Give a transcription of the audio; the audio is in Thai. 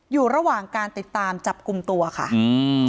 อยู่ระหว่างการติดตามจับกลุ่มตัวค่ะอืม